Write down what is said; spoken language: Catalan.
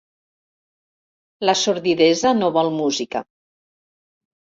La sordidesa no vol música.